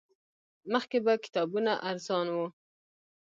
مخکې به کتابونه ارزان وو